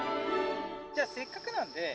じゃあせっかくなので。